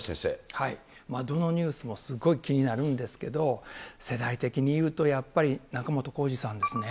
どのニュースもすっごい気になるんですけど、世代的に言うとやっぱり、仲本工事さんですね。